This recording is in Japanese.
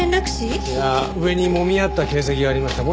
いや上にもみ合った形跡がありました。